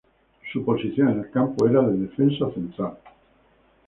Su posición en el campo era de Defensa Central.